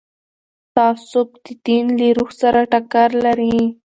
تعصب د دین له روح سره ټکر لري